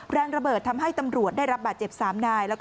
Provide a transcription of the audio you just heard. แรงระเบิดทำให้ตำรวจได้รับบาดเจ็บ๓นาย